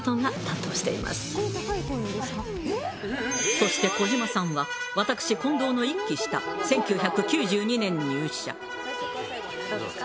そして、小島さんは私、近藤の１期下１９９２年入社。